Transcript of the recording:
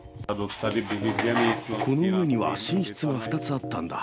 この上には寝室が２つあったんだ。